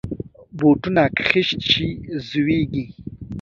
بوټونه که خیشت شي، زویږي.